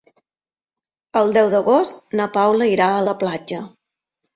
El deu d'agost na Paula irà a la platja.